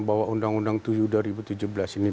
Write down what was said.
bahwa undang undang tujuh dua ribu tujuh belas ini